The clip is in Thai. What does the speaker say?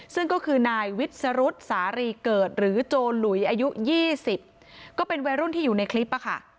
ซึ่งก็คือนายวิสรุษสารีเกิดหรือโจหลุยอายุ๒๐ก็เป็นวัยรุ่นที่อยู่ในคลิปอะค่ะ